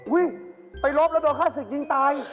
อุ๊ยไปรบแล้วโดนฆ่าศิกย์ยิงตาย